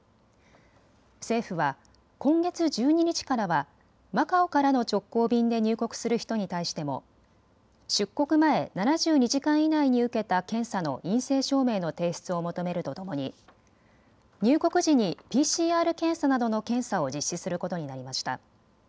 政府は今月１２日からはマカオからの直行便で入国する人に対しても出国前７２時間以内に受けた検査の陰性証明の提出を求めるとともに、入国時にＰＣＲ検査などの検査を実施することになりました。